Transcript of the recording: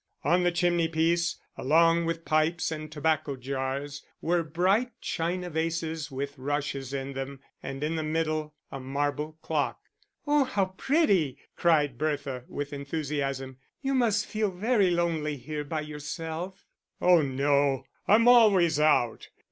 On the chimney piece, along with pipes and tobacco jars, were bright china vases with rushes in them, and in the middle a marble clock. "Oh how pretty!" cried Bertha, with enthusiasm. "You must feel very lonely here by yourself." "Oh no I'm always out.